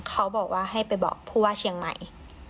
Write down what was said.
เขาบอกว่าให้ไปบอกผู้ว่าเชียงใหม่